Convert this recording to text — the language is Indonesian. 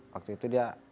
waktu itu dia